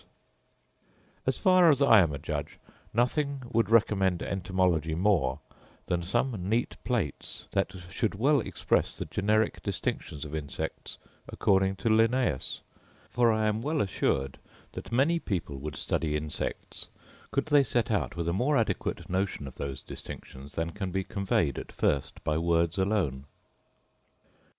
As far as I am a judge, nothing would recommend entomology more than some neat plates that should well express the generic distinctions of insects according to Linnaeus; for I am well assured that many people would study insects, could they set out with a more adequate notion of those distinctions that can be conveyed at first by words alone.